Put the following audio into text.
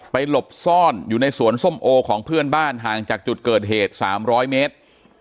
หลบซ่อนอยู่ในสวนส้มโอของเพื่อนบ้านห่างจากจุดเกิดเหตุ๓๐๐เมตร